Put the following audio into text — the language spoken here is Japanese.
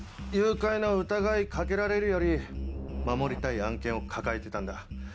誘拐の疑い掛けられるより守りたい案件を抱えてたんだ。